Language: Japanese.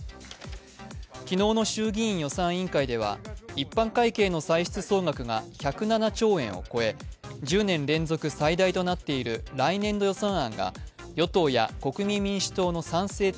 昨日の衆議院予算委員会では、一般会計の歳出総額が１０７兆円を超え１０年連続最大となっている来年度予算案が与党や国民民主党の賛成